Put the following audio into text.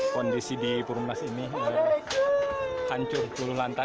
kondisi di purunas ini hancur puluh lantai